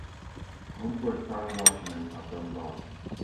He employed five watch men at Dumbarton.